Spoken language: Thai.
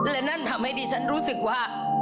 และนั่นทำให้ดิฉันรู้สึกว่า